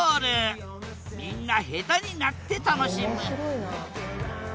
みんな下手になって楽しむ面白いな。